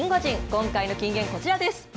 今回の金言こちらです。